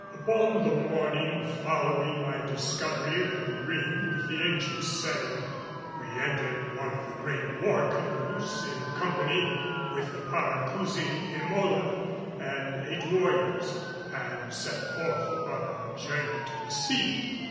Upon the morning following my discovery of the ring with the ancient setting, we entered one of the great war canoes in company with the Paracousi Emola and eight warriors, and set forth upon our journey to the sea.